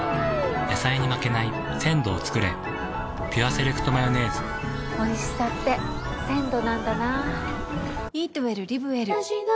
野菜に負けない鮮度をつくれ「ピュアセレクトマヨネーズ」おいしさって鮮度なんだな。